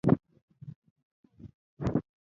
ځمکه ارزښت لري.